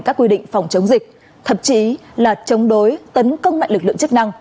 các quy định phòng chống dịch thậm chí là chống đối tấn công mạnh lực lượng chức năng